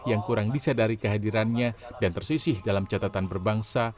yang kurang disadari kehadirannya dan tersisih dalam catatan berbangsa